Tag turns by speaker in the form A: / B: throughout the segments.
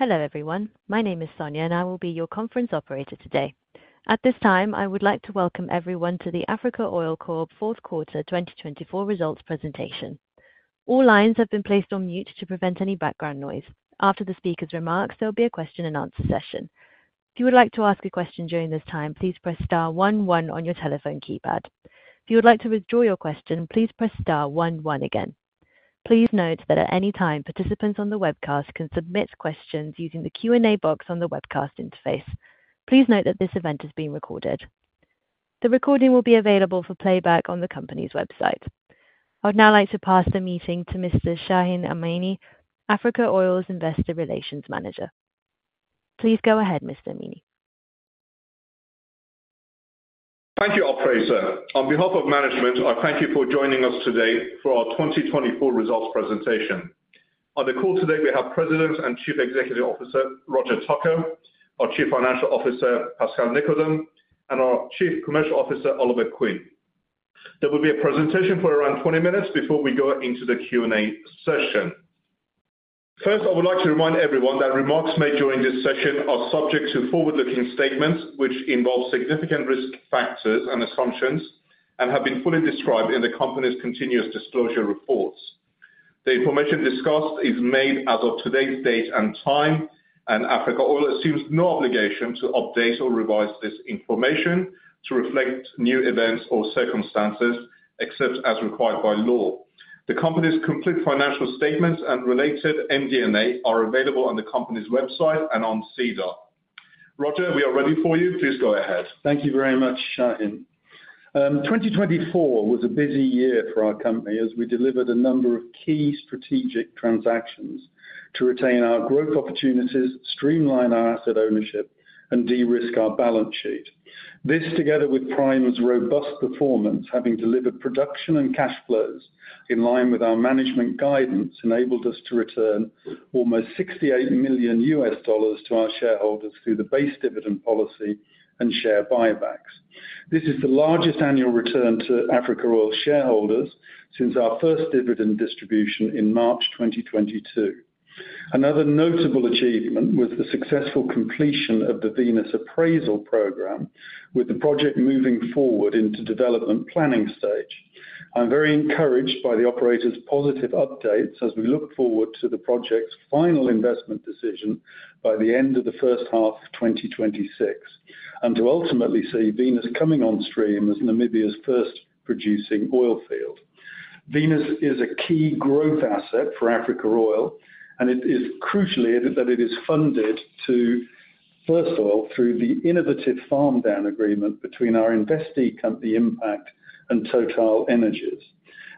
A: Hello everyone, my name is Sonia and I will be your conference operator today. At this time, I would like to welcome everyone to the Africa Oil Corp fourth quarter 2024 results presentation. All lines have been placed on mute to prevent any background noise. After the speaker's remarks, there will be a question and answer session. If you would like to ask a question during this time, please press star one one on your telephone keypad. If you would like to withdraw your question, please press star one one again. Please note that at any time, participants on the webcast can submit questions using the Q&A box on the webcast interface. Please note that this event is being recorded. The recording will be available for playback on the company's website. I would now like to pass the meeting to Mr. Shahin Amini, Africa Oil Investor Relations Manager. Please go ahead, Mr. Amini.
B: Thank you, Operator. On behalf of management, I thank you for joining us today for our 2024 results presentation. On the call today, we have President and Chief Executive Officer Roger Tucker, our Chief Financial Officer Pascal Nicodeme, and our Chief Commercial Officer Oliver Quinn. There will be a presentation for around 20 minutes before we go into the Q&A session. First, I would like to remind everyone that remarks made during this session are subject to forward-looking statements which involve significant risk factors and assumptions and have been fully described in the company's continuous disclosure reports. The information discussed is made as of today's date and time, and Meren Energy assumes no obligation to update or revise this information to reflect new events or circumstances except as required by law. The company's complete financial statements and related MD&A are available on the company's website and on CEDAR. Roger, we are ready for you. Please go ahead.
C: Thank you very much, Shahin. 2024 was a busy year for our company as we delivered a number of key strategic transactions to retain our growth opportunities, streamline our asset ownership, and de-risk our balance sheet. This, together with Prime's robust performance, having delivered production and cash flows in line with our management guidance, enabled us to return almost $68 million to our shareholders through the base dividend policy and share buybacks. This is the largest annual return to Africa Oli shareholders since our first dividend distribution in March 2022. Another notable achievement was the successful completion of the Venus appraisal program, with the project moving forward into development planning stage. I'm very encouraged by the operator's positive updates as we look forward to the project's final investment decision by the end of the first half of 2026, and to ultimately see Venus coming on stream as Namibia's first producing oil field. Venus is a key growth asset for Africa Oil, and it is crucial that it is funded to First Oil through the innovative farm down agreement between our investee company Impact and TotalEnergies.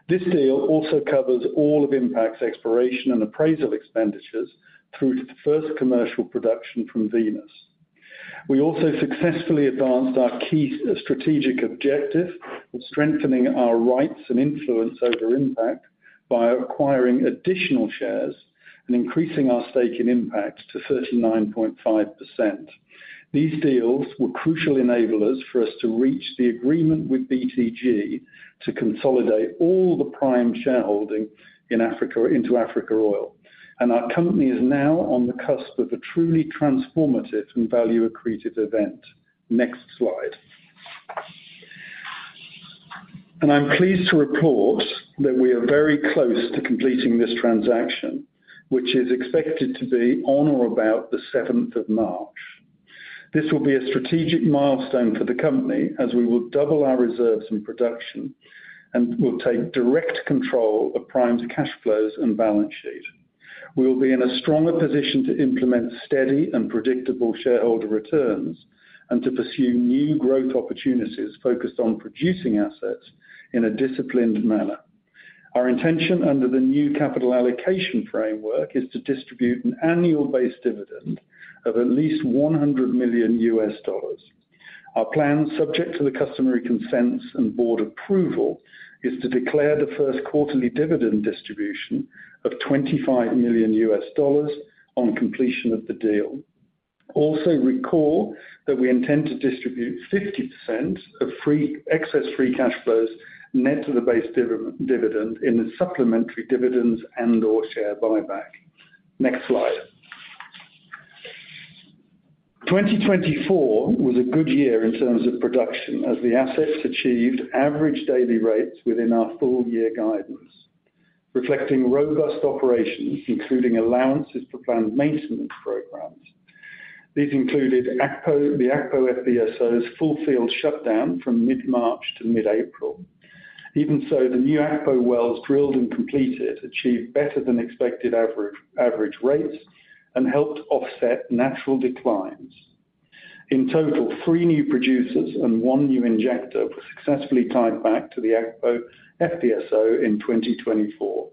C: This deal also covers all of Impact's exploration and appraisal expenditures through the first commercial production from Venus. We also successfully advanced our key strategic objective of strengthening our rights and influence over Impact by acquiring additional shares and increasing our stake in Impact to 39.5%. These deals were crucial enablers for us to reach the agreement with BTG to consolidate all the prime shareholding in Africa into Africa Oil, and our company is now on the cusp of a truly transformative and value-accretive event. Next slide. I'm pleased to report that we are very close to completing this transaction, which is expected to be on or about the 7th of March. This will be a strategic milestone for the company as we will double our reserves in production and will take direct control of Prime's cash flows and balance sheet. We will be in a stronger position to implement steady and predictable shareholder returns and to pursue new growth opportunities focused on producing assets in a disciplined manner. Our intention under the new capital allocation framework is to distribute an annual base dividend of at least $100 million. Our plan, subject to the customary consents and board approval, is to declare the first quarterly dividend distribution of $25 million on completion of the deal. Also, recall that we intend to distribute 50% of excess free cash flows net to the base dividend in the supplementary dividends and/or share buyback. Next slide. 2024 was a good year in terms of production as the assets achieved average daily rates within our full year guidance, reflecting robust operations including allowances for planned maintenance programs. These included the eco-FPSO's full field shutdown from mid-March to mid-April. Even so, the new eco wells drilled and completed achieved better than expected average rates and helped offset natural declines. In total, three new producers and one new injector were successfully tied back to the eco-FPSO in 2024.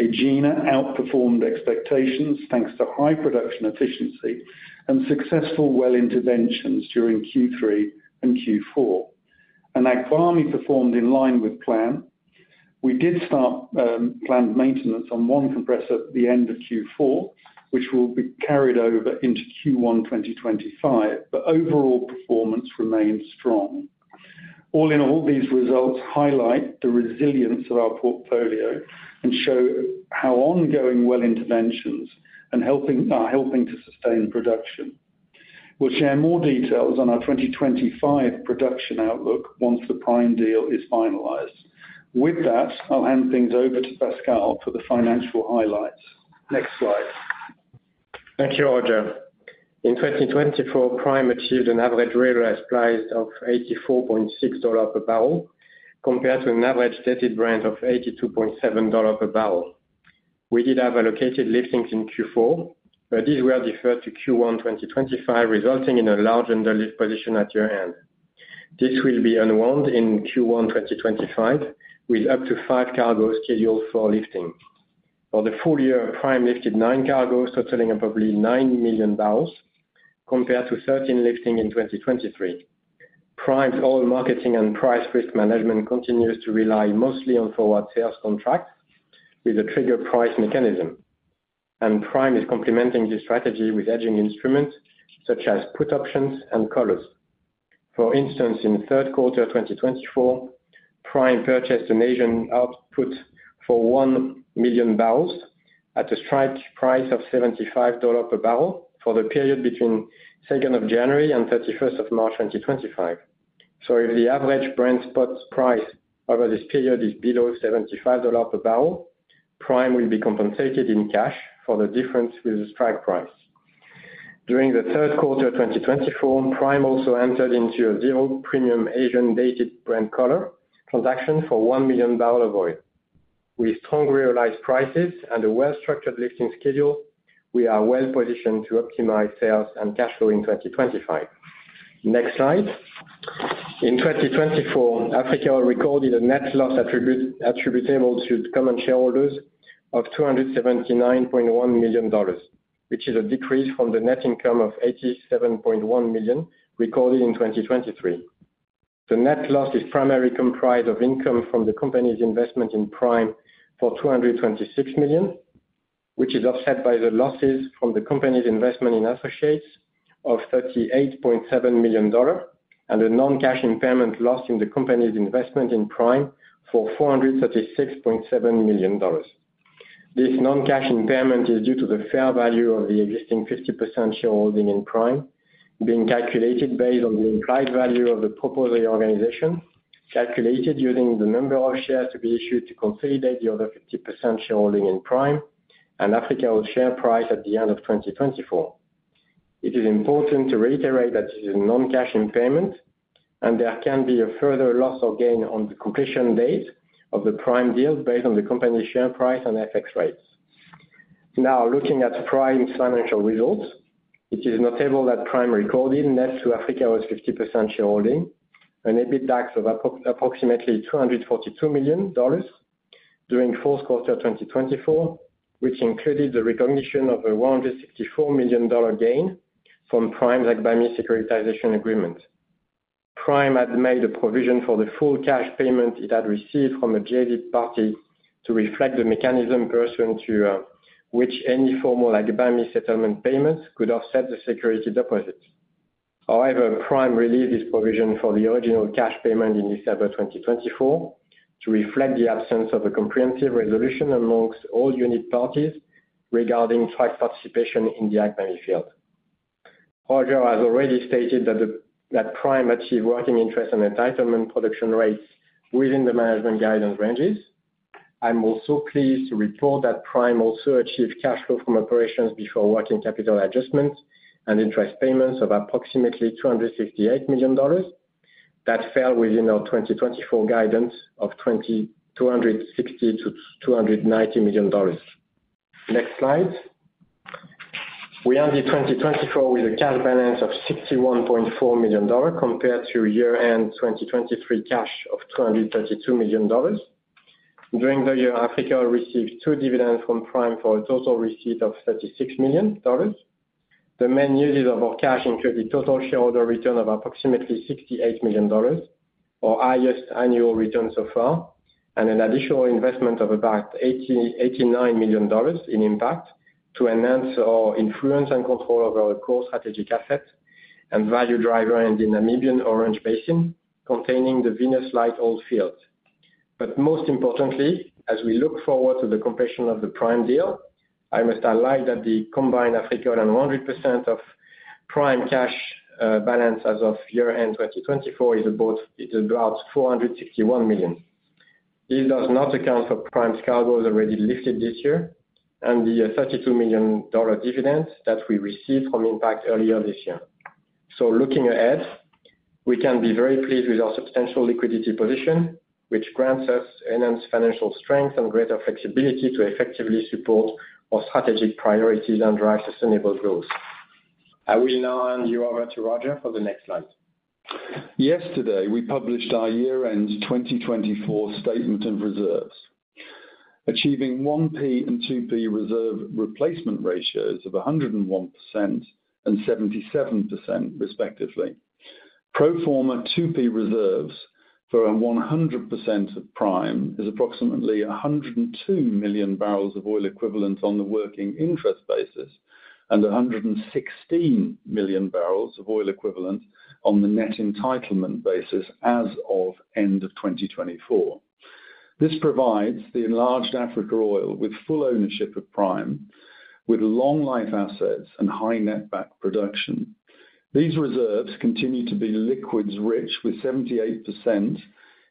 C: Egina outperformed expectations thanks to high production efficiency and successful well interventions during Q3 and Q4. And AMI performed in line with plan. We did start planned maintenance on one compressor at the end of Q4, which will be carried over into Q1 2025, but overall performance remained strong. All in all, these results highlight the resilience of our portfolio and show how ongoing well interventions are helping to sustain production. We'll share more details on our 2025 production outlook once the Prime deal is finalized. With that, I'll hand things over to Pascal for the financial highlights. Next slide.
D: Thank you, Roger. In 2024, Prime achieved an average realized price of $84.6 bbl compared to an average stated Brent of $82.7 bbl. We did have allocated liftings in Q4, but these were deferred to Q1 2025, resulting in a large under-lift position at year-end. This will be unwound in Q1 2025 with up to five cargoes scheduled for lifting. For the full year, Prime lifted nine cargoes, totaling approximately 9 million bbl, compared to 13 liftings in 2023. Prime's oil marketing and price risk management continues to rely mostly on forward sales contracts with a trigger price mechanism, and Prime is complementing this strategy with hedging instruments such as put options and collars. For instance, in third quarter 2024, Prime purchased an Asian output for 1 million bbl at a strike price of $75 bbll for the period between 2nd of January and 31st of March 2025. If the average Brent spot price over this period is below $75 bbl, Prime will be compensated in cash for the difference with the strike price. During the third quarter 2024, Prime also entered into a zero premium Asian dated Brent collar transaction for 1 million bbl of oil. With strong realized prices and a well-structured lifting schedule, we are well positioned to optimize sales and cash flow in 2025. Next slide. In 2024, African Oil recorded a net loss attributable to common shareholders of $279.1 million, which is a decrease from the net income of $87.1 million recorded in 2023. The net loss is primarily comprised of income from the company's investment in Prime for $226 million, which is offset by the losses from the company's investment in associates of $38.7 million, and a non-cash impairment loss in the company's investment in Prime for $436.7 million. This non-cash impairment is due to the fair value of the existing 50% shareholding in Prime being calculated based on the implied value of the proposed organization, calculated using the number of shares to be issued to consolidate the other 50% shareholding in Prime and African Oil's share price at the end of 2024. It is important to reiterate that this is a non-cash impairment, and there can be a further loss or gain on the completion date of the Prime deal based on the company's share price and FX rates. Now, looking at Prime's financial results, it is notable that Prime recorded net to Meren Energy's 50% shareholding, an EBITDA of approximately $242 million during fourth quarter 2024, which included the recognition of a $164 million gain from Prime's Agbami securitization agreement. Prime had made a provision for the full cash payment it had received from a JV party to reflect the mechanism pursuant to which any formal Agbami settlement payments could offset the security deposits. However, Prime released this provision for the original cash payment in December 2024 to reflect the absence of a comprehensive resolution amongst all unit parties regarding strike participation in the Agbami field. Roger has already stated that Prime achieved working interest and entitlement production rates within the management guidance ranges. I'm also pleased to report that Prime also achieved cash flow from operations before working capital adjustments and interest payments of approximately $268 million that fell within our 2024 guidance of $260-$290 million. Next slide. We ended 2024 with a cash balance of $61.4 million compared to year-end 2023 cash of $232 million. During the year, Africa Oil received two dividends from Prime for a total receipt of $36 million. The main uses of our cash included total shareholder return of approximately $68 million, our highest annual return so far, and an additional investment of about $89 million in Impact to enhance our influence and control over our core strategic assets and value driver in the Namibian Orange Basin containing the Venus Light Oil Field. Most importantly, as we look forward to the completion of the Prime deal, I must highlight that the combined African Oil and 100% of Prime cash balance as of year-end 2024 is about $461 million. This does not account for Prime's cargoes already lifted this year and the $32 million dividend that we received from Impact earlier this year. Looking ahead, we can be very pleased with our substantial liquidity position, which grants us enhanced financial strength and greater flexibility to effectively support our strategic priorities and drive sustainable growth. I will now hand you over to Roger for the next slide.
C: Yesterday, we published our year-end 2024 statement of reserves, achieving 1P and 2P reserve replacement ratios of 101% and 77%, respectively. Pro forma 2P reserves for 100% of Prime is approximately 102 million bbl of oil equivalent on the working interest basis and 116 million bbl of oil equivalent on the net entitlement basis as of end of 2024. This provides the enlarged Africa Oil with full ownership of Prime with long-life assets and high net back production. These reserves continue to be liquids rich with 78%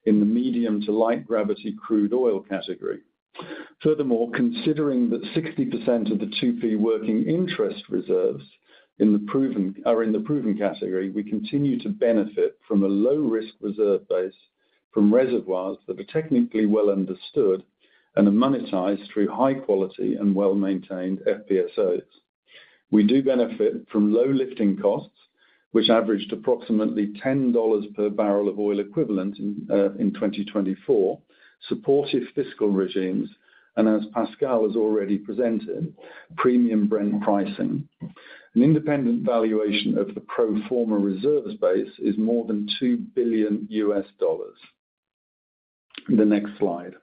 C: in the medium to light gravity crude oil category. Furthermore, considering that 60% of the 2P working interest reserves in the proven category, we continue to benefit from a low-risk reserve base from reservoirs that are technically well understood and amortized through high-quality and well-maintained FPSOs. We do benefit from low lifting costs, which averaged approximately $10 bbl of oil equivalent in 2024, supportive fiscal regimes, and as Pascal has already presented, premium brand pricing. An independent valuation of the pro forma reserves base is more than $2 billion. The next slide.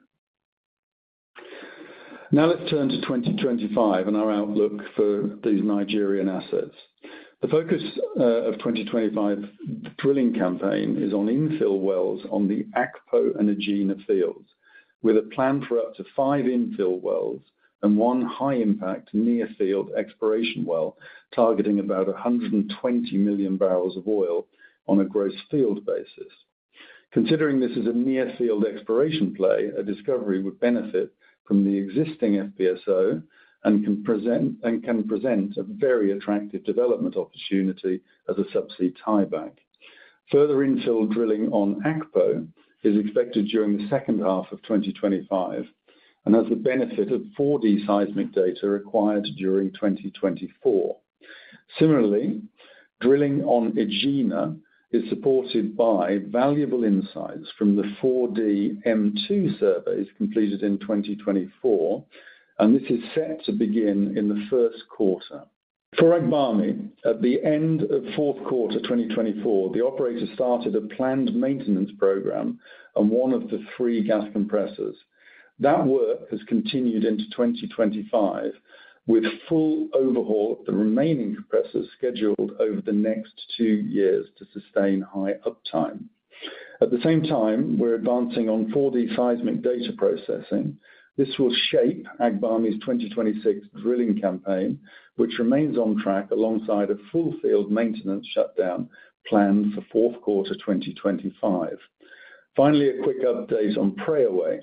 C: Now let's turn to 2025 and our outlook for these Nigerian assets. The focus of 2025 drilling campaign is on infill wells on the Meren Energy fields, with a plan for up to five infill wells and one high-impact near-field exploration well targeting about 120 million bbl of oil on a gross field basis. Considering this is a near-field exploration play, a discovery would benefit from the existing FPSO and can present a very attractive development opportunity as a subsea tieback. Further infill drilling on Meren is expected during the second half of 2025 and has the benefit of 4D seismic data required during 2024. Similarly, drilling on Egina is supported by valuable insights from the 4D M2 surveys completed in 2024, and this is set to begin in the first quarter. For Agbami, at the end of fourth quarter 2024, the operator started a planned maintenance program on one of the three gas compressors. That work has continued into 2025 with full overhaul of the remaining compressors scheduled over the next two years to sustain high uptime. At the same time, we're advancing on 4D seismic data processing. This will shape Agbami's 2026 drilling campaign, which remains on track alongside a full field maintenance shutdown planned for fourth quarter 2025. Finally, a quick update on Prairie Way.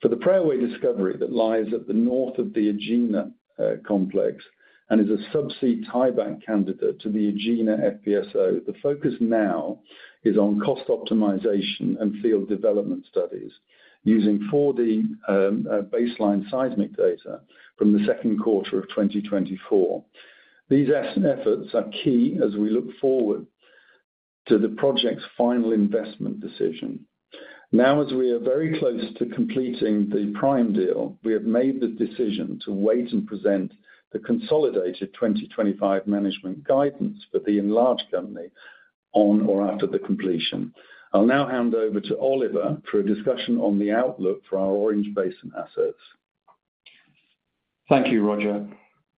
C: For the Prairie Way discovery that lies at the north of the Egina complex and is a subsea tieback candidate to the Egina FPSO, the focus now is on cost optimization and field development studies using 4D baseline seismic data from the second quarter of 2024. These efforts are key as we look forward to the project's final investment decision. Now, as we are very close to completing the Prime deal, we have made the decision to wait and present the consolidated 2025 management guidance for the enlarged company on or after the completion. I'll now hand over to Oliver for a discussion on the outlook for our Orange Basin assets.
E: Thank you, Roger.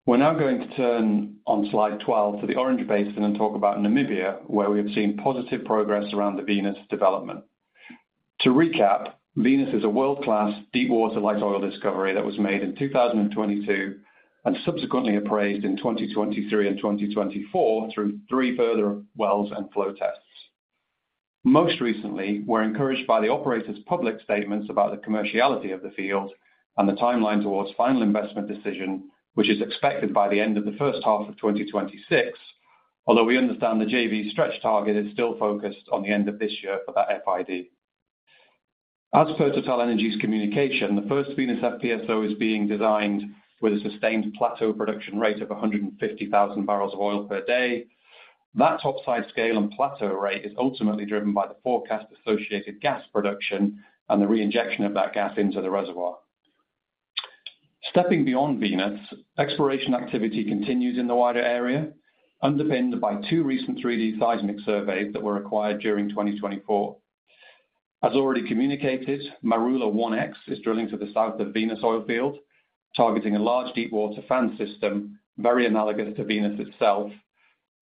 E: We're now going to turn on slide 12 to the Orange Basin and talk about Namibia, where we have seen positive progress around the Venus development. To recap, Venus is a world-class deep-water light oil discovery that was made in 2022 and subsequently appraised in 2023 and 2024 through three further wells and flow tests. Most recently, we're encouraged by the operator's public statements about the commerciality of the field and the timeline towards final investment decision, which is expected by the end of the first half of 2026, although we understand the JV stretch target is still focused on the end of this year for that FID. As TotalEnergies' communication, the first Venus FPSO is being designed with a sustained plateau production rate of 150,000 bbl of oil per day. That topside scale and plateau rate is ultimately driven by the forecast associated gas production and the reinjection of that gas into the reservoir. Stepping beyond Venus, exploration activity continues in the wider area, underpinned by two recent 3D seismic surveys that were acquired during 2024. As already communicated, Marula 1X is drilling to the south of Venus Oil Field, targeting a large deep-water fan system very analogous to Venus itself,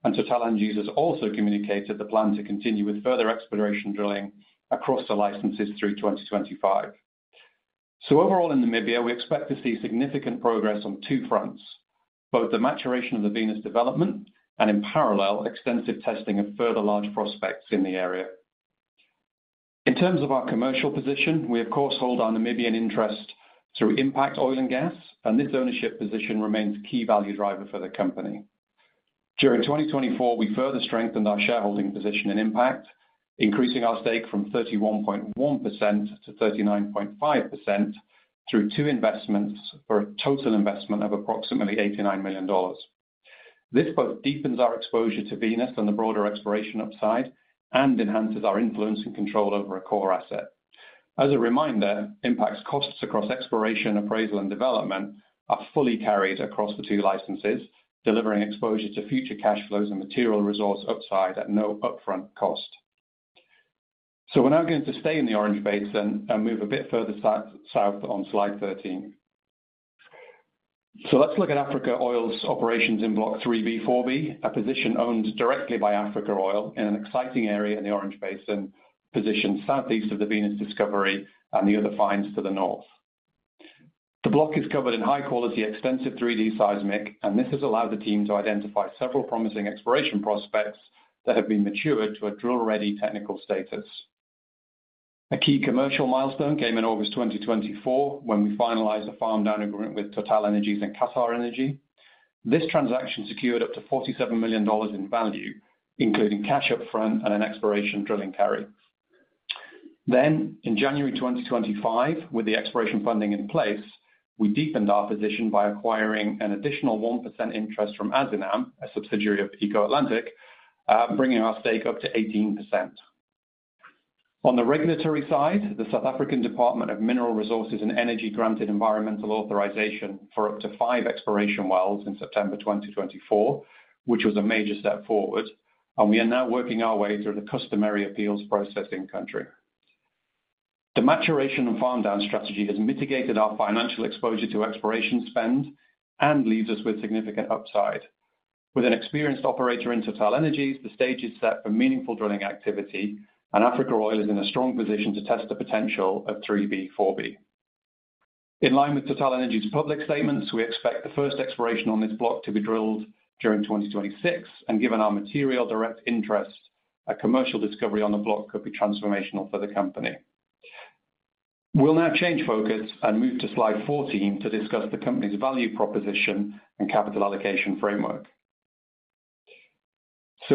E: and TotalEnergies has also communicated the plan to continue with further exploration drilling across the licenses through 2025. Overall in Namibia, we expect to see significant progress on two fronts, both the maturation of the Venus development and in parallel, extensive testing of further large prospects in the area. In terms of our commercial position, we, of course, hold our Namibian interest through Impact Oil and Gas, and this ownership position remains a key value driver for the company. During 2024, we further strengthened our shareholding position in Impact, increasing our stake from 31.1% to 39.5% through two investments for a total investment of approximately $89 million. This both deepens our exposure to Venus and the broader exploration upside and enhances our influence and control over a core asset. As a reminder, Impact's costs across exploration, appraisal, and development are fully carried across the two licenses, delivering exposure to future cash flows and material resource upside at no upfront cost. We are now going to stay in the Orange Basin and move a bit further south on slide 13. Let's look at Africa 's operations in block 3B/4B, a position owned directly by Africa Oil in an exciting area in the Orange Basin, positioned southeast of the Venus discovery and the other finds to the north. The block is covered in high-quality, extensive 3D seismic, and this has allowed the team to identify several promising exploration prospects that have been matured to a drill-ready technical status. A key commercial milestone came in August 2024 when we finalized a farm down agreement with TotalEnergies and QatarEnergy. This transaction secured up to $47 million in value, including cash upfront and an exploration drilling carry. In January 2025, with the exploration funding in place, we deepened our position by acquiring an additional 1% interest from AZENAM, a subsidiary of Eco Atlantic Oil & Gas, bringing our stake up to 18%. On the regulatory side, the South African Department of Mineral Resources and Energy granted environmental authorization for up to five exploration wells in September 2024, which was a major step forward, and we are now working our way through the customary appeals process in country. The maturation and farm down strategy has mitigated our financial exposure to exploration spend and leaves us with significant upside. With an experienced operator in TotalEnergies, the stage is set for meaningful drilling activity, and Africa OIl is in a strong position to test the potential of 3B/4B. In line with TotalEnergies' public statements, we expect the first exploration on this block to be drilled during 2026, and given our material direct interest, a commercial discovery on the block could be transformational for the company. We'll now change focus and move to slide 14 to discuss the company's value proposition and capital allocation framework.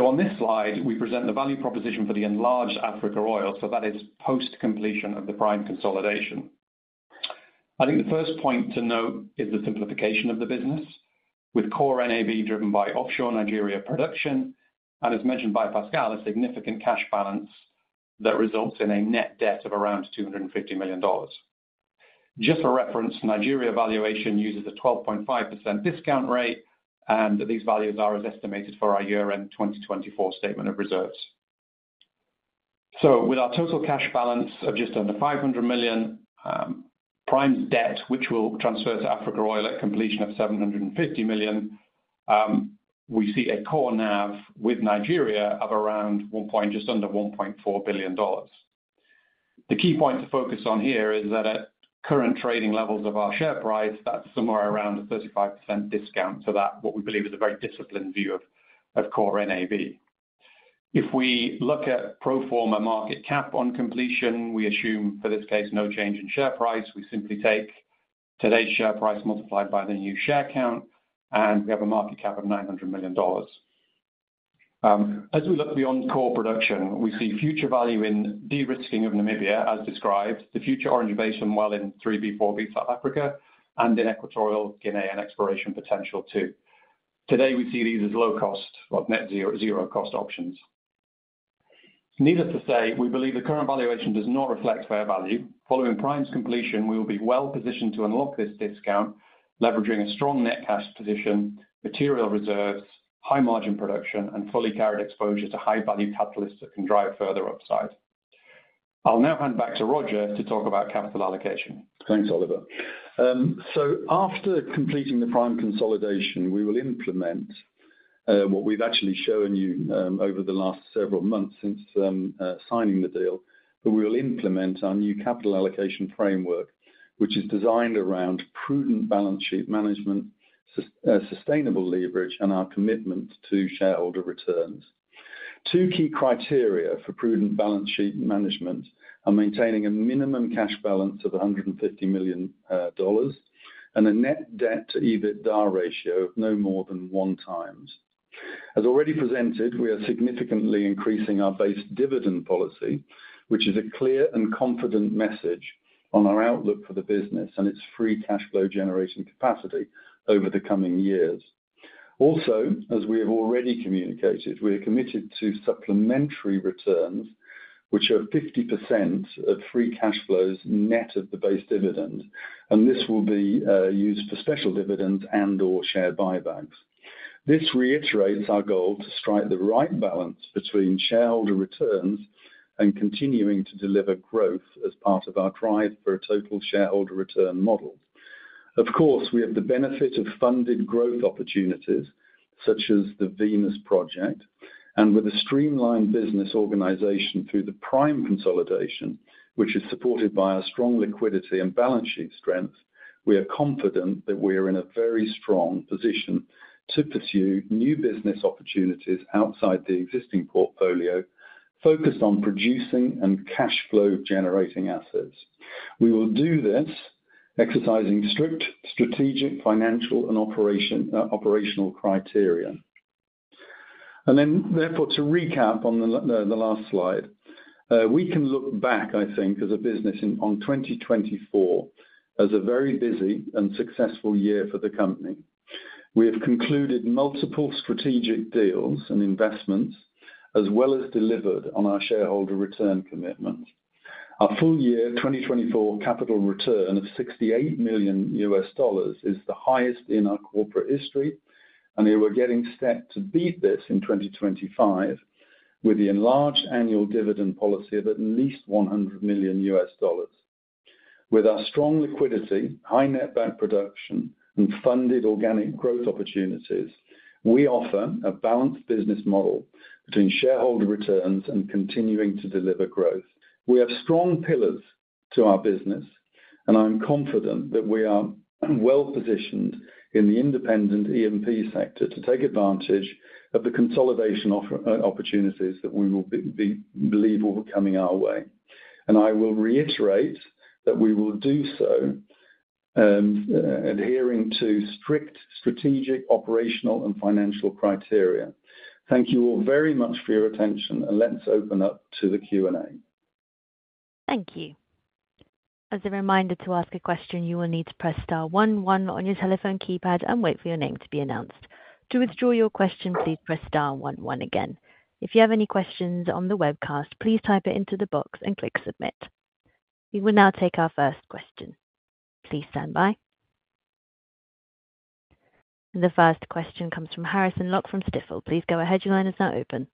E: On this slide, we present the value proposition for the enlarged Africa Oil, that is post-completion of the Prime consolidation. I think the first point to note is the simplification of the business, with core NAV driven by offshore Nigeria production, and as mentioned by Pascal, a significant cash balance that results in a net debt of around $250 million. Just for reference, Nigeria valuation uses a 12.5% discount rate, and these values are as estimated for our year-end 2024 statement of reserves. With our total cash balance of just under $500 million, Prime's debt, which will transfer to Africa Oil at completion of $750 million, we see a core NAV with Nigeria of around just under $1.4 billion. The key point to focus on here is that at current trading levels of our share price, that's somewhere around a 35% discount to that, what we believe is a very disciplined view of core NAV. If we look at pro forma market cap on completion, we assume for this case, no change in share price. We simply take today's share price multiplied by the new share count, and we have a market cap of $900 million. As we look beyond core production, we see future value in de-risking of Namibia, as described, the future Orange Basin well in 3B/4B South Africa, and in Equatorial Guinea and exploration potential too. Today, we see these as low-cost or net zero cost options. Needless to say, we believe the current valuation does not reflect fair value. Following Prime's completion, we will be well positioned to unlock this discount, leveraging a strong net cash position, material reserves, high-margin production, and fully carried exposure to high-value catalysts that can drive further upside. I'll now hand back to Roger to talk about capital allocation.
C: Thanks, Oliver. After completing the Prime consolidation, we will implement what we've actually shown you over the last several months since signing the deal, but we will implement our new capital allocation framework, which is designed around prudent balance sheet management, sustainable leverage, and our commitment to shareholder returns. Two key criteria for prudent balance sheet management are maintaining a minimum cash balance of $150 million and a net debt to EBITDA ratio of no more than one times. As already presented, we are significantly increasing our base dividend policy, which is a clear and confident message on our outlook for the business and its free cash flow generation capacity over the coming years. Also, as we have already communicated, we are committed to supplementary returns, which are 50% of free cash flows net of the base dividend, and this will be used for special dividends and/or share buybacks. This reiterates our goal to strike the right balance between shareholder returns and continuing to deliver growth as part of our drive for a total shareholder return model. Of course, we have the benefit of funded growth opportunities such as the Venus project, and with a streamlined business organization through the Prime consolidation, which is supported by our strong liquidity and balance sheet strength, we are confident that we are in a very strong position to pursue new business opportunities outside the existing portfolio focused on producing and cash flow generating assets. We will do this exercising strict strategic financial and operational criteria. Therefore, to recap on the last slide, we can look back, I think, as a business on 2024 as a very busy and successful year for the company. We have concluded multiple strategic deals and investments, as well as delivered on our shareholder return commitments. Our full year 2024 capital return of $68 million is the highest in our corporate history, and we're getting set to beat this in 2025 with the enlarged annual dividend policy of at least $100 million. With our strong liquidity, high net bank production, and funded organic growth opportunities, we offer a balanced business model between shareholder returns and continuing to deliver growth. We have strong pillars to our business, and I'm confident that we are well positioned in the independent E&P sector to take advantage of the consolidation opportunities that we believe will be coming our way. I will reiterate that we will do so adhering to strict strategic operational and financial criteria. Thank you all very much for your attention, and let's open up to the Q&A.
A: Thank you. As a reminder to ask a question, you will need to press star one one on your telephone keypad and wait for your name to be announced. To withdraw your question, please press star one one again. If you have any questions on the webcast, please type it into the box and click submit. We will now take our first question. Please stand by. The first question comes from Harrison Locke from Stifel. Please go ahead. Your line is now open.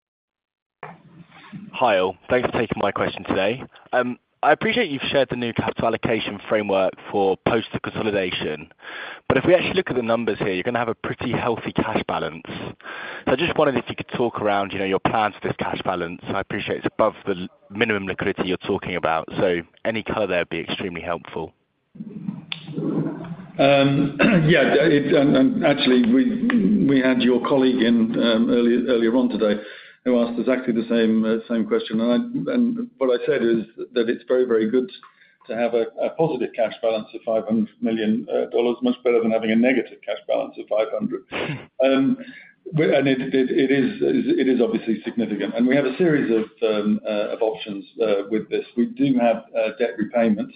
F: Hi, Ol. Thanks for taking my question today. I appreciate you've shared the new capital allocation framework for post-consolidation, but if we actually look at the numbers here, you're going to have a pretty healthy cash balance. I just wondered if you could talk around your plans for this cash balance. I appreciate it's above the minimum liquidity you're talking about, so any color there would be extremely helpful.
C: Yeah, and actually, we had your colleague in earlier on today who asked exactly the same question, and what I said is that it's very, very good to have a positive cash balance of $500 million, much better than having a negative cash balance of $500 million. It is obviously significant. We have a series of options with this. We do have debt repayment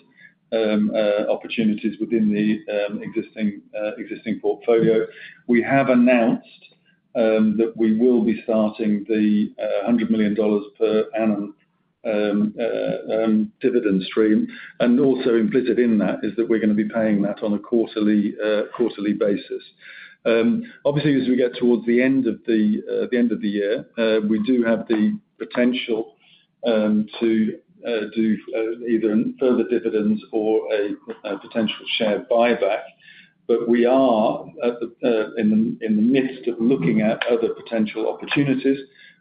C: opportunities within the existing portfolio. We have announced that we will be starting the $100 million per annum dividend stream, and also implicit in that is that we're going to be paying that on a quarterly basis. Obviously, as we get towards the end of the year, we do have the potential to do either further dividends or a potential share buyback, but we are in the midst of looking at other potential opportunities,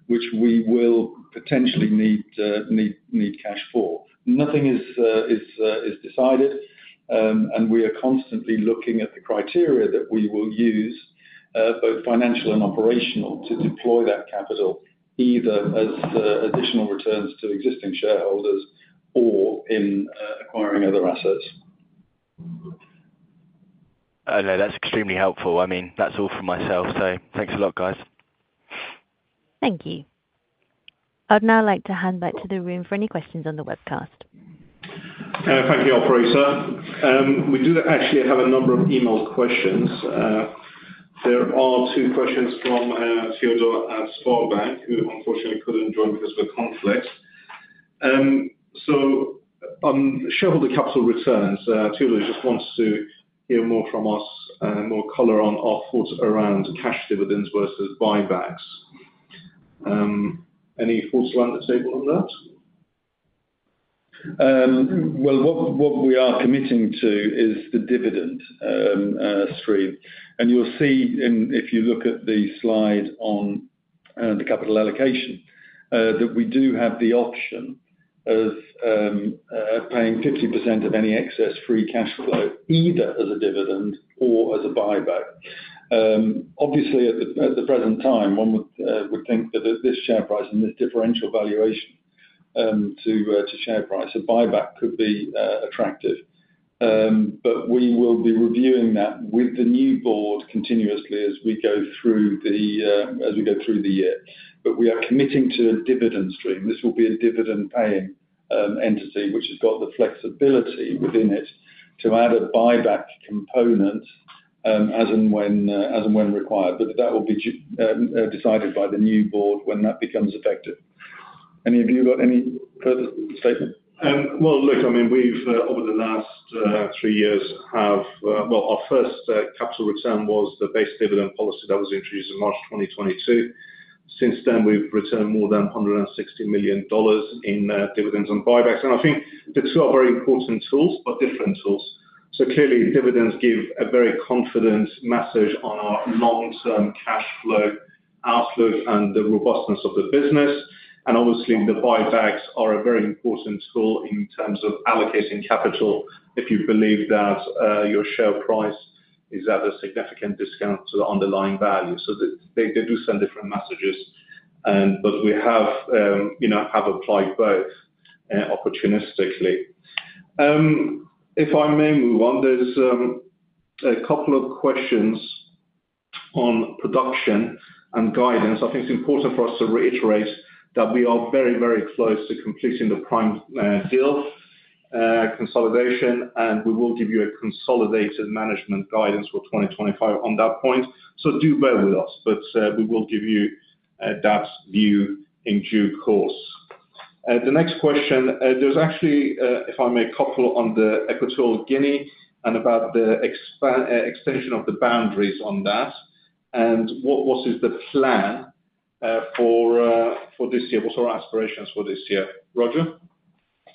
C: which we will potentially need cash for. Nothing is decided, and we are constantly looking at the criteria that we will use, both financial and operational, to deploy that capital, either as additional returns to existing shareholders or in acquiring other assets.
F: No, that's extremely helpful. I mean, that's all from myself, so thanks a lot, guys.
A: Thank you. I'd now like to hand back to the room for any questions on the webcast.
B: Thank you, Operator. We do actually have a number of emailed questions. There are two questions from Theodore at Swedbank, who unfortunately could not join because of a conflict. On shareholder capital returns, Theodore just wants to hear more from us, more color on our thoughts around cash dividends versus buybacks. Any thoughts around the table on that?
C: What we are committing to is the dividend stream. You will see if you look at the slide on the capital allocation that we do have the option of paying 50% of any excess free cash flow, either as a dividend or as a buyback. Obviously, at the present time, one would think that at this share price and this differential valuation to share price, a buyback could be attractive. We will be reviewing that with the new board continuously as we go through the year. We are committing to a dividend stream. This will be a dividend-paying entity, which has got the flexibility within it to add a buyback component as and when required. That will be decided by the new board when that becomes effective. Any of you got any further statement?
B: I mean, over the last three years, our first capital return was the base dividend policy that was introduced in March 2022. Since then, we have returned more than $160 million in dividends and buybacks. I think the two are very important tools, but different tools. Clearly, dividends give a very confident message on our long-term cash flow outlook and the robustness of the business. Obviously, the buybacks are a very important tool in terms of allocating capital if you believe that your share price is at a significant discount to the underlying value. They do send different messages, but we have applied both opportunistically. If I may move on, there's a couple of questions on production and guidance. I think it's important for us to reiterate that we are very, very close to completing the Prime deal consolidation, and we will give you a consolidated management guidance for 2025 on that point. Do bear with us, but we will give you that view in due course. The next question, there's actually, if I may, a couple on Equatorial Guinea and about the extension of the boundaries on that. What is the plan for this year? What are our aspirations for this year? Roger?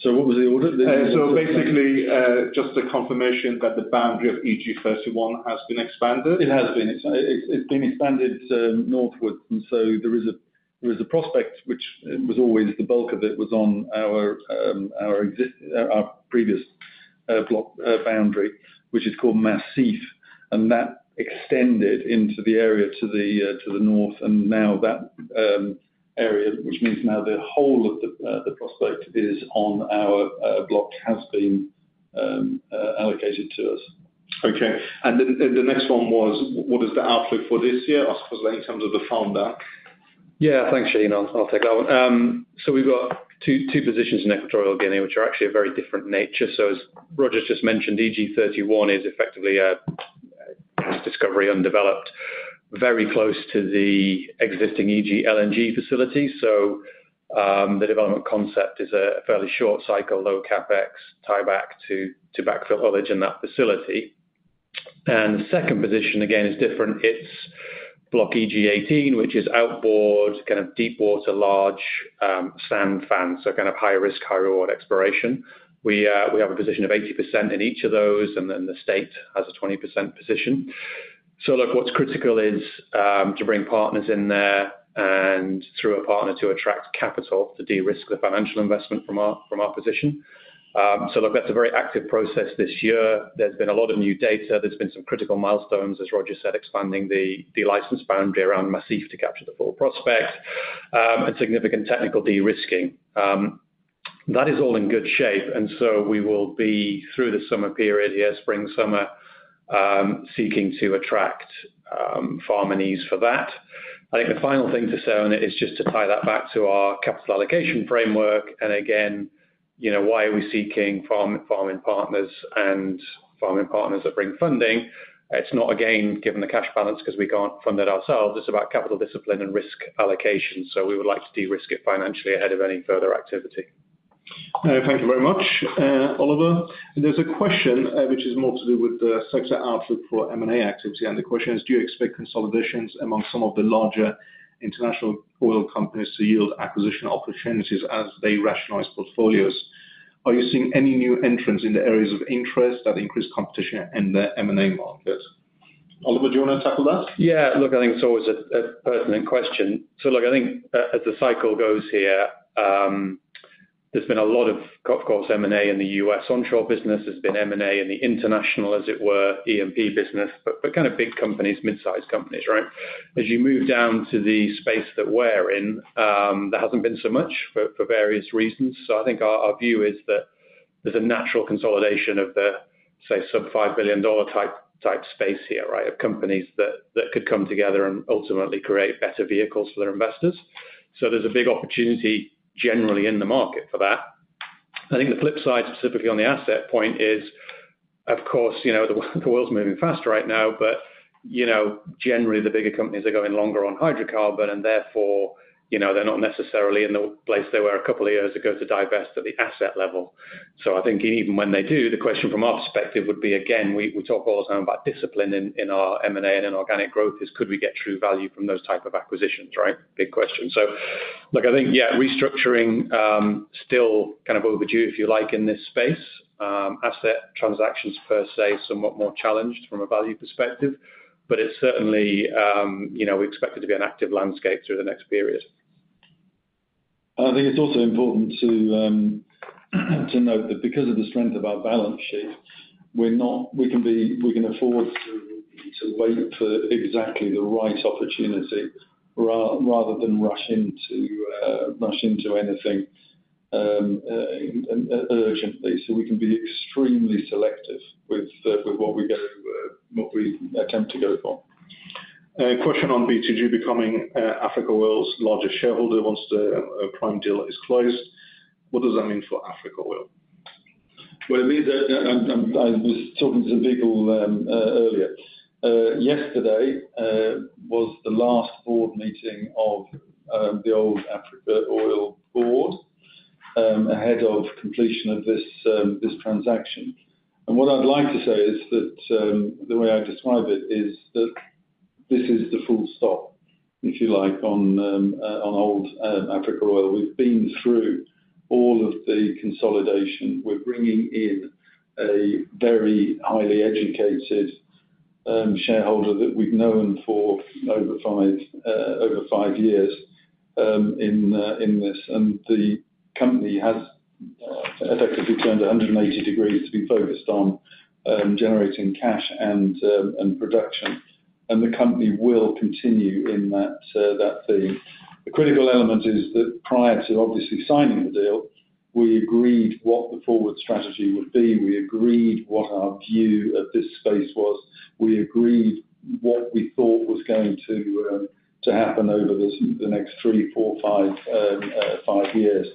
C: What was the order?
B: Basically, just a confirmation that the boundary of EG-31 has been expanded? It has been.
C: It's been expanded northwards. There is a prospect, which was always the bulk of it was on our previous block boundary, which is called Masif, and that extended into the area to the north. Now that area, which means now the whole of the prospect is on our block, has been allocated to us.
B: Okay. The next one was, what is the outlook for this year? I suppose that in terms of the farm bank?
E: Yeah, thanks, Shane. I'll take that one. We have two positions in Equatorial Guinea, which are actually of very different nature. As Roger just mentioned, EG31 is effectively a discovery undeveloped, very close to the existing EGLNG facility. The development concept is a fairly short cycle, low CapEx, tieback to backfill oilage in that facility. The second position, again, is different. It's block EG-18, which is outboard, kind of deep water, large sand fans, so kind of high-risk, high-reward exploration. We have a position of 80% in each of those, and then the state has a 20% position. Look, what's critical is to bring partners in there and through a partner to attract capital to de-risk the financial investment from our position. That's a very active process this year. There's been a lot of new data. There's been some critical milestones, as Roger said, expanding the license boundary around Masif to capture the full prospect and significant technical de-risking. That is all in good shape. We will be, through the summer period here, spring summer, seeking to attract farming needs for that. I think the final thing to say on it is just to tie that back to our capital allocation framework. Again, why are we seeking farming partners and farming partners that bring funding? It's not, again, given the cash balance because we can't fund it ourselves. It's about capital discipline and risk allocation. We would like to de-risk it financially ahead of any further activity.
B: Thank you very much, Oliver. There's a question which is more to do with the sector outlook for M&A activity. The question is, do you expect consolidations among some of the larger international oil companies to yield acquisition opportunities as they rationalize portfolios? Are you seeing any new entrants in the areas of interest that increase competition in the M&A market? Oliver, do you want to tackle that?
E: Yeah, look, I think it's always a pertinent question. I think as the cycle goes here, there's been a lot of, of course, M&A in the US onshore business. Has been M&A in the international, as it were, E&P business, but kind of big companies, mid-sized companies, right? As you move down to the space that we are in, there has not been so much for various reasons. I think our view is that there is a natural consolidation of the, say, sub-$5 billion type space here, right, of companies that could come together and ultimately create better vehicles for their investors. There is a big opportunity generally in the market for that. I think the flip side, specifically on the asset point, is, of course, the world is moving fast right now, but generally, the bigger companies are going longer on hydrocarbon, and therefore, they are not necessarily in the place they were a couple of years ago to divest at the asset level. I think even when they do, the question from our perspective would be, again, we talk all the time about discipline in our M&A and in organic growth is, could we get true value from those type of acquisitions, right? Big question.
B: I think, yeah, restructuring still kind of overdue, if you like, in this space.
E: Asset transactions per se, somewhat more challenged from a value perspective, but we certainly expect it to be an active landscape through the next period.
C: I think it's also important to note that because of the strength of our balance sheet, we can afford to wait for exactly the right opportunity rather than rush into anything urgently. We can be extremely selective with what we attempt to go for.
E: Question on BTG Pactual becoming Africa Oil's largest shareholder once the Prime deal is closed. What does that mean for Africa Oil?
C: I was talking to some people earlier. Yesterday was the last board meeting of the old Africa Oil board ahead of completion of this transaction. What I'd like to say is that the way I describe it is that this is the full stop, if you like, on old Africa Oil. We've been through all of the consolidation. We're bringing in a very highly educated shareholder that we've known for over five years in this. The company has effectively turned 180 degrees to be focused on generating cash and production. The company will continue in that theme. The critical element is that prior to obviously signing the deal, we agreed what the forward strategy would be. We agreed what our view of this space was. We agreed what we thought was going to happen over the next three, four, five years.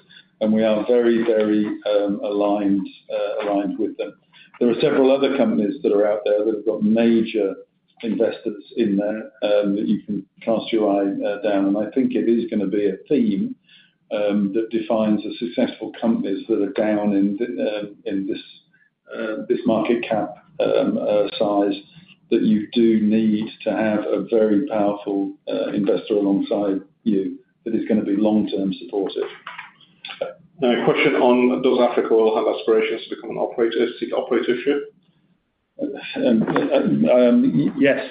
C: We are very, very aligned with them. There are several other companies out there that have got major investors in there that you can cast your eye down. I think it is going to be a theme that defines the successful companies that are down in this market cap size that you do need to have a very powerful investor alongside you that is going to be long-term supportive.
B: Question on, does Africa Oil have aspirations to become an operator here?
C: Yes.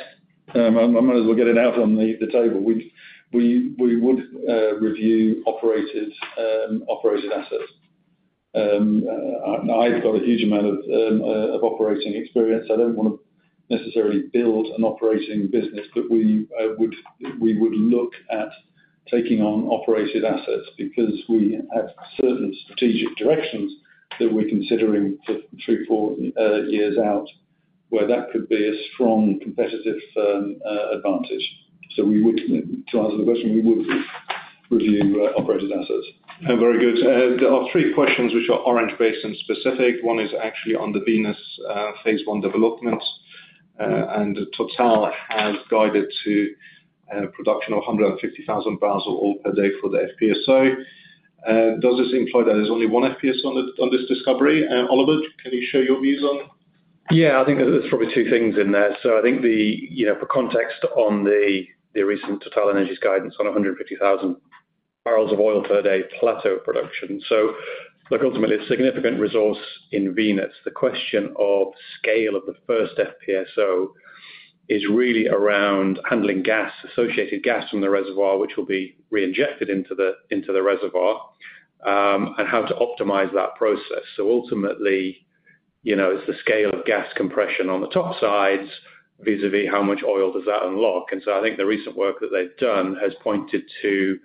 C: I might as well get it out on the table. We would review operated assets. I've got a huge amount of operating experience. I don't want to necessarily build an operating business, but we would look at taking on operated assets because we have certain strategic directions that we're considering for three or four years out where that could be a strong competitive advantage. To answer the question, we would review operated assets.
B: Very good. There are three questions which are Orange Basin specific. One is actually on the Venus phase one development, and Tucker has guided to production of 150,000 bbl of oil per day for the FPSO. Does this imply that there's only one FPSO on this discovery? Oliver, can you share your views on?
E: I think there's probably two things in there. For context on the recent TotalEnergies guidance on 150,000 bbl of oil per day plateau production. Ultimately, it's a significant resource in Venus. The question of scale of the first FPSO is really around handling gas, associated gas from the reservoir, which will be reinjected into the reservoir, and how to optimize that process. Ultimately, it's the scale of gas compression on the top sides vis-à-vis how much oil does that unlock. I think the recent work that they've done has pointed to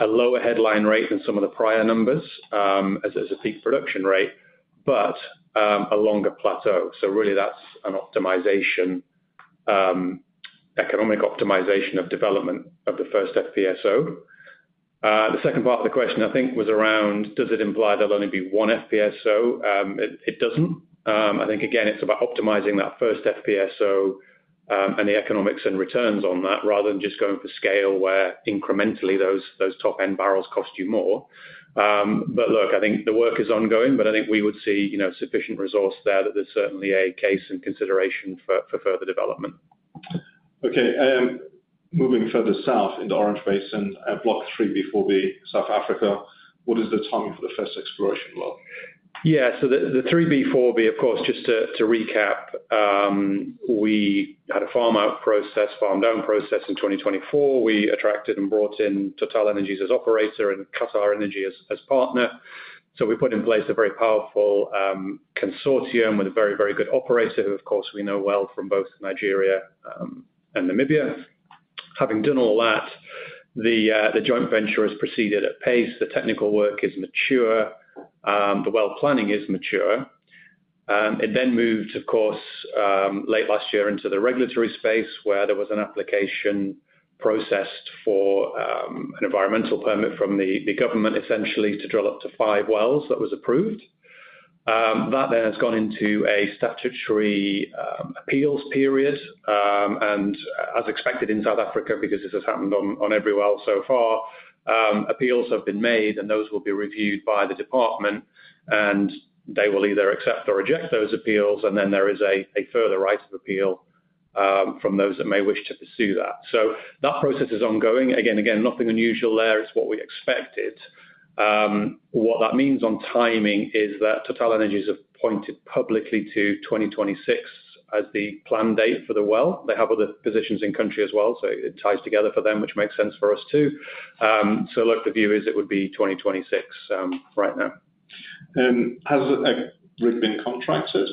E: a lower headline rate than some of the prior numbers as a peak production rate, but a longer plateau. Really, that's an optimization, economic optimization of development of the first FPSO. The second part of the question, I think, was around, does it imply there'll only be one FPSO? It doesn't. I think, again, it's about optimizing that first FPSO and the economics and returns on that rather than just going for scale where incrementally those top-end barrels cost you more. Look, I think the work is ongoing, but I think we would see sufficient resource there that there's certainly a case and consideration for further development.
B: Moving further south in the Orange Basin, block 3B/4B, South Africa, what is the timing for the first exploration log?
E: Yeah. The 3B/4B, of course, just to recap, we had a farm-out process, farm-down process in 2024. We attracted and brought in TotalEnergies as operator and QatarEnergy as partner. We put in place a very powerful consortium with a very, very good operator who, of course, we know well from both Nigeria and Namibia. Having done all that, the joint venture has proceeded at pace. The technical work is mature. The well planning is mature. It then moved, of course, late last year into the regulatory space where there was an application processed for an environmental permit from the government, essentially, to drill up to five wells that was approved. That then has gone into a statutory appeals period. As expected in South Africa, because this has happened on every well so far, appeals have been made, and those will be reviewed by the department, and they will either accept or reject those appeals. There is a further right of appeal from those that may wish to pursue that. That process is ongoing. Again, nothing unusual there. It's what we expected. What that means on timing is that TotalEnergies have pointed publicly to 2026 as the planned date for the well. They have other positions in country as well, so it ties together for them, which makes sense for us too. Look, the view is it would be 2026 right now.
B: Has it been contracted?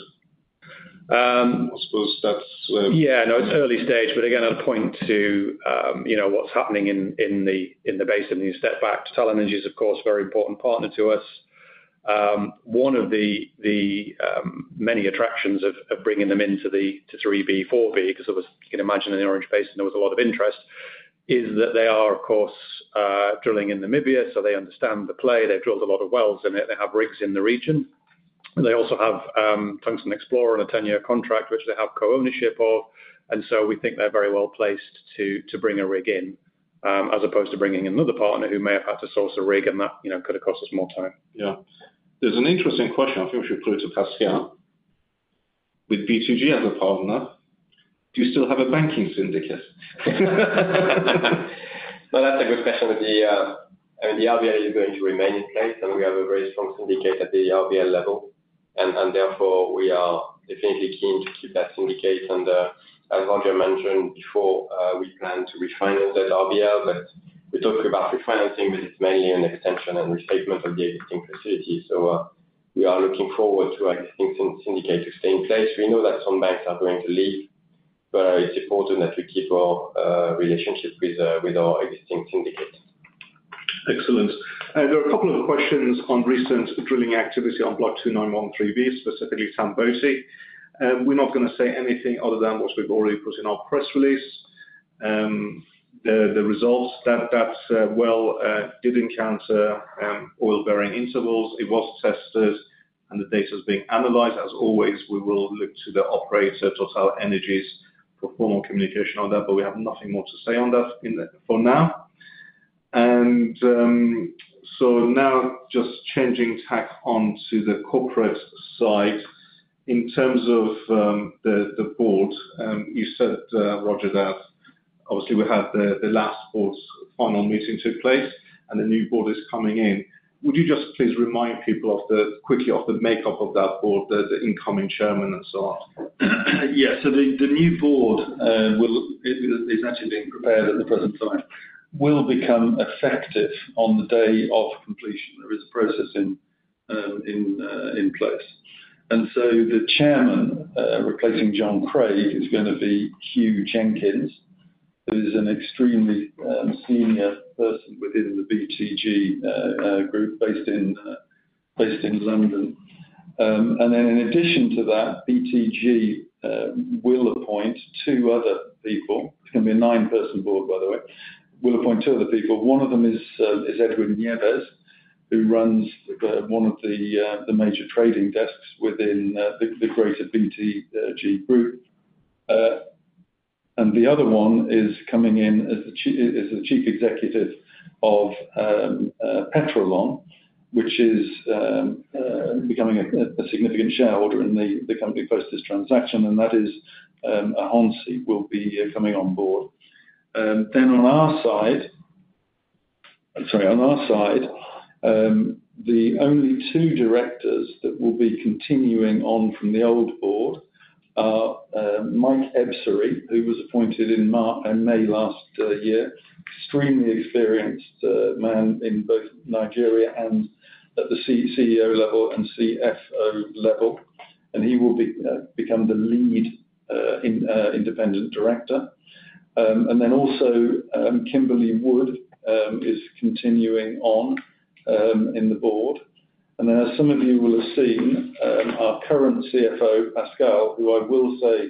B: I suppose that's yeah,
C: No, it's early stage, but again, I'll point to what's happening in the basin. You step back. TotalEnergies, of course, very important partner to us. One of the many attractions of bringing them into the 3B, 4B, because you can imagine in the Orange Basin, there was a lot of interest, is that they are, of course, drilling in Namibia, so they understand the play. They've drilled a lot of wells in it. They have rigs in the region. They also have Tungsten Explorer and a 10-year contract, which they have co-ownership of. We think they're very well placed to bring a rig in as opposed to bringing in another partner who may have had to source a rig, and that could have cost us more time. Yeah.
B: There's an interesting question. I think we should put it to Pascal. With BTG as a partner, do you still have a banking syndicate?
D: That's a good question. I mean, the RBL is going to remain in place, and we have a very strong syndicate at the RBL level. Therefore, we are definitely keen to keep that syndicate. As Roger mentioned before, we plan to refinance that RBL. We talked about refinancing, but it's mainly an extension and restatement of the existing facility. We are looking forward to our existing syndicate to stay in place. We know that some banks are going to leave, but it's important that we keep our relationship with our existing syndicate.
B: Excellent. There are a couple of questions on recent drilling activity on block 2913B, specifically Tambosi. We're not going to say anything other than what we've already put in our press release. The results, that well did encounter oil-bearing intervals. It was tested, and the data is being analyzed. As always, we will look to the operator, TotalEnergies, for formal communication on that, but we have nothing more to say on that for now. Now, just changing tack onto the corporate side. In terms of the board, you said, Roger, that obviously we had the last board's final meeting took place, and the new board is coming in. Would you just please remind people quickly of the makeup of that board, the incoming chairman, and so on?
C: Yeah. The new board is actually being prepared at the present time, will become effective on the day of completion. There is a process in place. The chairman replacing John Craig is going to be Hugh Jenkins, who is an extremely senior person within the BTG group based in London. In addition to that, BTG will appoint two other people. It is going to be a nine-person board, by the way. BTG will appoint two other people. One of them is Edwin Nieves, who runs one of the major trading desks within the greater BTG group. The other one is coming in as the Chief Executive of Petrolon, which is becoming a significant shareholder in the company post this transaction. That is Ahonsi, who will be coming on board. On our side, the only two directors that will be continuing on from the old board are Mike Ebsery, who was appointed in May last year. Extremely experienced man in both Nigeria and at the CEO level and CFO level. He will become the lead independent director. Kimberly Wood is continuing on in the board. As some of you will have seen, our current CFO, Pascal, who I will say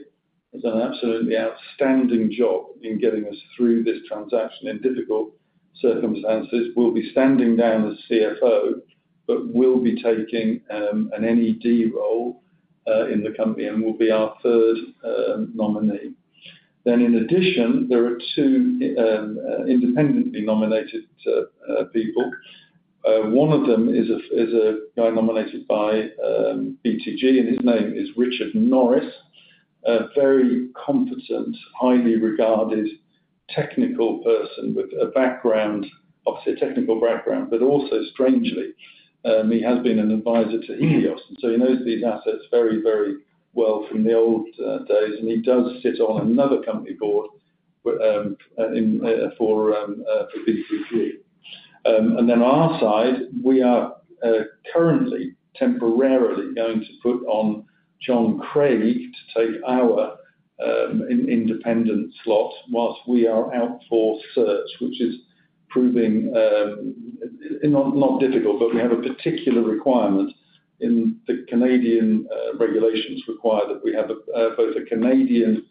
C: has done an absolutely outstanding job in getting us through this transaction in difficult circumstances, will be standing down as CFO, but will be taking an NED role in the company and will be our third nominee. In addition, there are two independently nominated people. One of them is a guy nominated by BTG, and his name is Richard Norris, a very competent, highly regarded technical person with a technical background, but also strangely, he has been an advisor to Ilios. He knows these assets very, very well from the old days. He does sit on another company board for BTG. On our side, we are currently temporarily going to put on John Craig to take our independent slot whilst we are out for search, which is proving not difficult, but we have a particular requirement in the Canadian regulations require that we have both a Canadian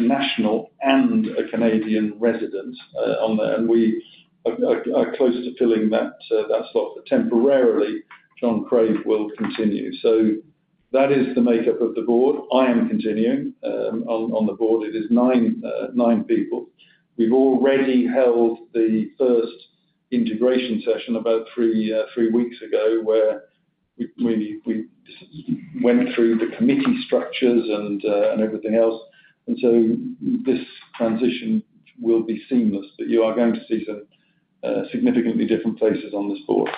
C: national and a Canadian resident on there. We are close to filling that slot. Temporarily, John Craig will continue. That is the makeup of the board. I am continuing on the board. It is nine people. We have already held the first integration session about three weeks ago where we went through the committee structures and everything else. This transition will be seamless, but you are going to see some significantly different places on this board.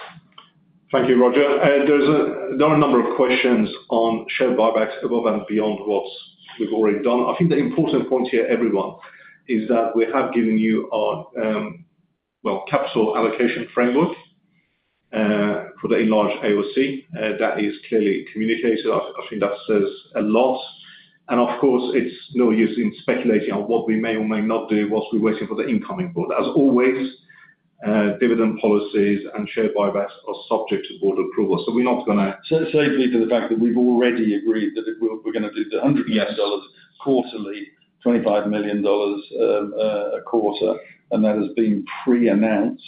B: Thank you, Roger. There are a number of questions on share buybacks above and beyond what we've already done. I think the important point here, everyone, is that we have given you our, well, capital allocation framework for the enlarged AOC. That is clearly communicated. I think that says a lot. Of course, it's no use in speculating on what we may or may not do whilst we're waiting for the incoming board. As always, dividend policies and share buybacks are subject to board approval. We are not going to. It leads to the fact that we've already agreed that we're going to do the $100 million quarterly, $25 million a quarter, and that has been pre-announced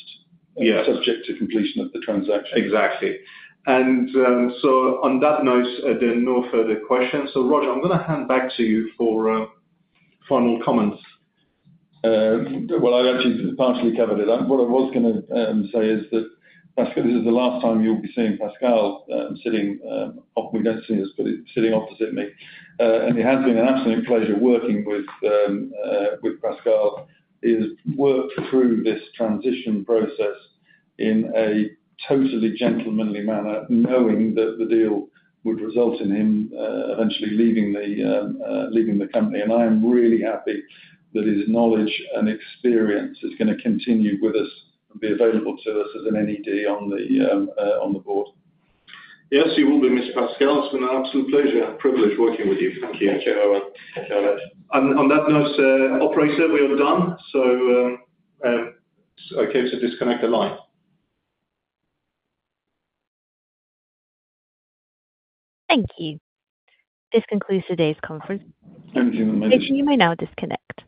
B: and subject to completion of the transaction.
C: Exactly.
B: On that note, there are no further questions. Roger, I'm going to hand back to you for final comments.
C: I have actually partially covered it. What I was going to say is that this is the last time you will be seeing Pascal sitting—we do not see us, but sitting opposite me. It has been an absolute pleasure working with Pascal. He has worked through this transition process in a totally gentlemanly manner, knowing that the deal would result in him eventually leaving the company. I am really happy that his knowledge and experience is going to continue with us and be available to us as an NED on the board.
B: Yes, you will be, Mr. Pascal. It has been an absolute pleasure and privilege working with you.
D: Thank you. Thank you very much.
B: On that note, Operator, we are done. Okay to disconnect the line.
A: Thank you. This concludes today's conference.
C: Thank you.
A: Now disconnect.